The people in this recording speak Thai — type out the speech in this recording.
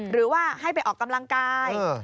หรือว่าให้ไปออกกำลังกาย